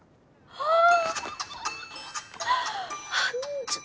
ああ！